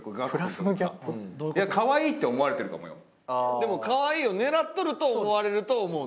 でも可愛いを狙っとると思われると思うの？